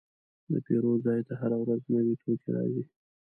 د پیرود ځای ته هره ورځ نوي توکي راځي.